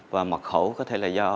và mật khẩu có thể là do